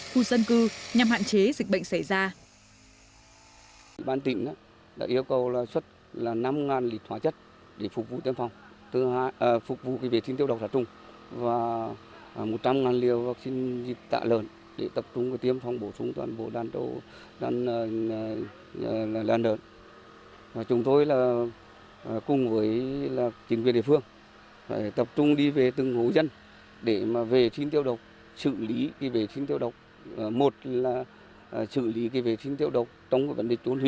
khu dân cư nhằm hạn chế dịch bệnh xảy ra